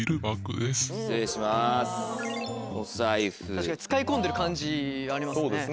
確かに使い込んでる感じありますね。